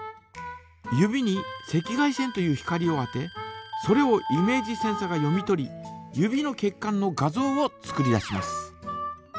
指に赤外線という光を当てそれをイメージセンサが読み取り指の血管の画像を作り出します。